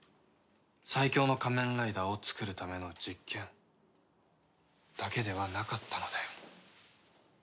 最強の仮面ライダーをつくるための実験。だけではなかったのだよ。